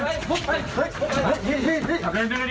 เอ้ยวิ่งไม่จบผมคุยกับฮะ